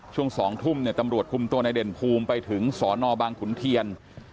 ช่วง๒ทุ่มเนี่ยตำรวจคุมตัวในเด่นภูมิไปถึงสอนอบางขุนเทียน